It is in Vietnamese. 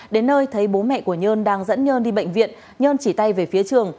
đến nơi thấy bố mẹ của nhân đang dẫn nhân đi bệnh viện nhân chỉ tay về phía trường